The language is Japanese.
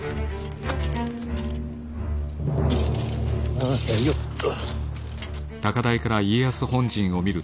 あらよっと。